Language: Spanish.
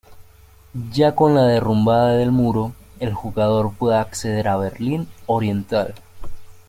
Ya con la derrumbada del muro, el jugador puede acceder a Berlín Oriental.